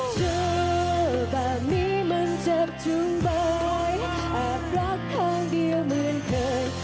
เธอแบบนี้มันเจ็บถุงใบอาจรักครั้งเดียวเหมือนเคย